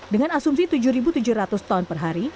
dengan asumsi tujuh tujuh ratus ton per hari